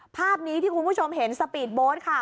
ภาพนี้ที่คุณผู้ชมเห็นสปีดโบสต์ค่ะ